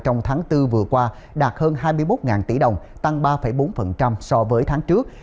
trong tháng bốn vừa qua đạt hơn hai mươi một tỷ đồng tăng ba bốn so với tháng trước